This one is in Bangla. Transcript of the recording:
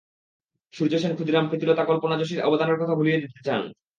সূর্য সেন, ক্ষুদিরাম, প্রীতিলতা, কল্পনা যোশীর অবদানের কথা ভুলিয়ে দিতে চান।